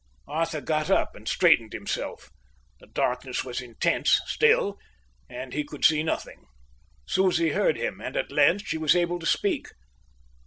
Arthur got up and straightened himself. The darkness was intense still, and he could see nothing. Susie heard him, and at length she was able to speak.